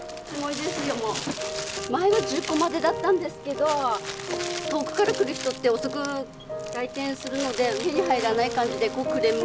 前は１０個までだったんですけど遠くから来る人って遅く来店するので手に入らない感じでクレームがいっぱい来ちゃって。